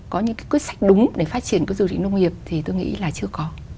có những quyết sách đúng để phát triển cái du lịch nông nghiệp thì tôi nghĩ là chưa có